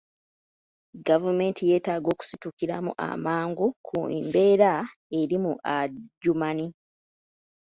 Gavumenti yeetaaga okusitukiramu amangu ku mbeera eri mu Adjumani